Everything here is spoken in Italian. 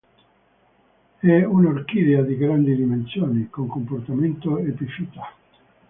È un'orchidea di grandi dimensioni, con comportamento epifita.